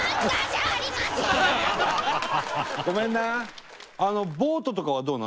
ごめんな。